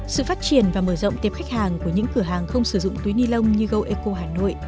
sự phát triển và mở rộng tiệp khách hàng của những cửa hàng không sử dụng túi nilon như goeco hà nội